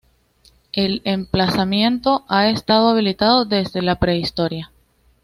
El emplazamiento ha estado habitado desde la prehistoria.